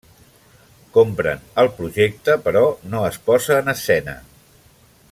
Compren el projecte però no es posa en escena.